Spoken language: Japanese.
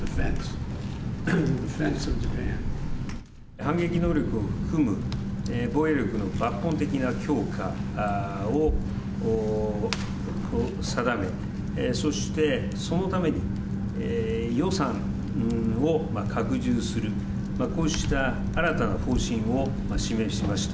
反撃能力を含む防衛力の抜本的な強化を定め、そしてそのために、予算を拡充する、こうした新たな方針を示しました。